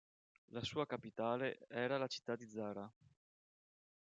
La sua capitale era la città di Zara.